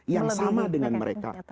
yang sama dengan mereka